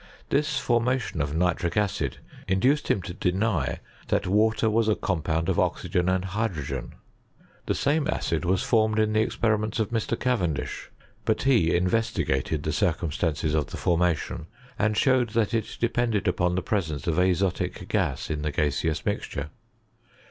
This formation of nitric acid in doced him to deny that water was a compound of tKygea and hydrogen. The same acid was formed BiaTOKT or CBEM^ | in the experiments of Mr. Cavendish ; bat be in vestigated the circumstances of the formation, and showed that it depended upon the presence of azotic vni in the gaseous mixture.